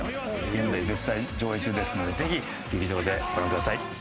現在絶賛上映中ですのでぜひ劇場でご覧ください。